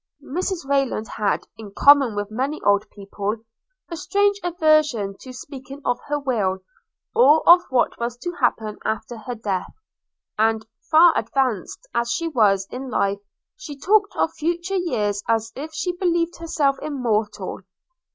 Mrs Rayland had, in common with many old people, a strange aversion to speaking of her will, or of what was to happen after her death; and, far advanced as she was in life, she talked of future years as if she believed herself immortal.